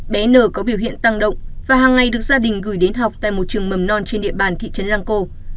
bé n có biểu hiện tăng động và hàng ngày được gia đình gửi đến học tại một trường mầm non trên địa bàn thị trấn lăng cô